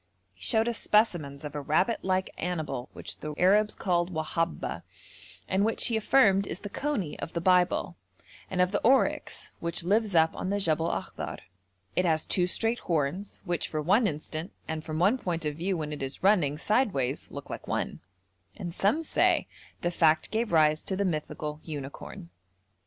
He showed us specimens of a rabbit like animal which the Arabs call 'whabba,' and which he affirmed is the coney of the Bible, and of the oryx, which lives up on the Jebel Akhdar; it has two straight horns which for one instant and from one point of view when it is running sideways look like one, and some say the fact gave rise to the mythical unicorn.